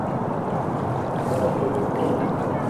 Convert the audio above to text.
- Ṭeb! Ṭeb! Ṭeb!...